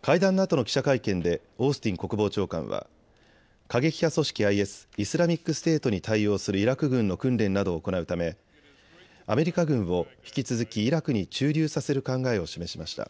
会談のあとの記者会見でオースティン国防長官は過激派組織ＩＳ・イスラミックステートに対応するイラク軍の訓練などを行うためアメリカ軍を引き続きイラクに駐留させる考えを示しました。